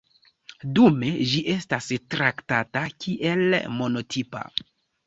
Dume ĝi estas traktata kiel monotipa.